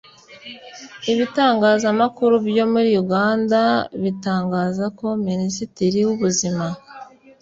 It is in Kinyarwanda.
Ibitangazamakuru byo muri Uganda bitangaza ko Minisitiri w’ubuzima